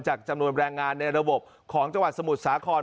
จำนวนแรงงานในระบบของจังหวัดสมุทรสาคร